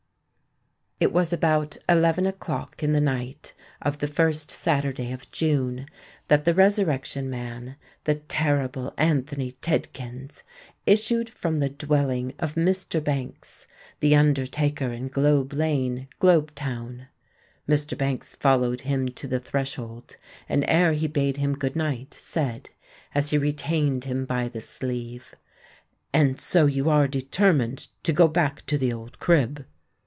It was about eleven o'clock in the night of the first Saturday of June, that the Resurrection Man—the terrible Anthony Tidkins—issued from the dwelling of Mr. Banks, the undertaker in Globe Lane, Globe Town. Mr. Banks followed him to the threshold, and, ere he bade him good night, said, as he retained him by the sleeve, "And so you are determined to go back to the old crib?"